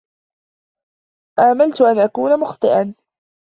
أملت أن أكون مخطئا.